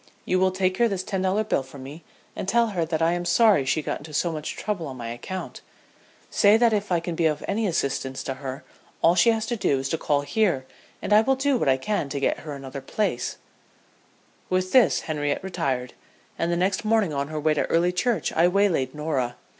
You will take her this ten dollar bill from me, and tell her that I am sorry she got into so much trouble on my account. Say that if I can be of any assistance to her all she has to do is to call here and I will do what I can to get her another place." [Illustration: "ON HER WAY TO BARLY CHURCH I WAYLAID NORAH"] With this Henriette retired and the next morning on her way to early church I waylaid Norah.